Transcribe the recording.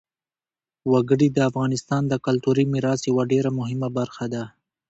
وګړي د افغانستان د کلتوري میراث یوه ډېره مهمه برخه ده.